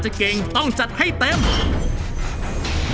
ช่วยฝังดินหรือกว่า